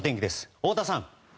太田さん。